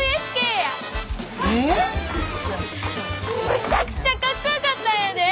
むちゃくちゃかっこよかったんやで！